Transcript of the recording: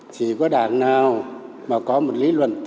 chỉ có đảng nào mà có một lý luận tiên tri